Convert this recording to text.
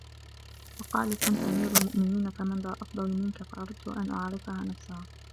فَقَالَتْ أَنْتَ أَمِيرُ الْمُؤْمِنِينَ فَمَنْ ذَا أَفْضَلُ مِنْك فَأَرَدْتُ أَنْ أُعَرِّفَهَا نَفْسَهَا